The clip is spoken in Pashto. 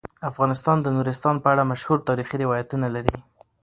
افغانستان د نورستان په اړه مشهور تاریخی روایتونه لري.